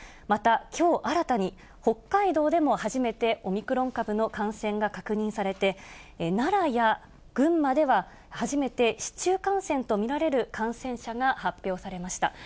また、きょう新たに北海道でも初めてオミクロン株の感染が確認されて、奈良や群馬では、初めて市中感染と見られる感染者が発表されました。